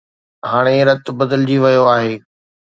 هاڻي رت بدلجي ويو آهي.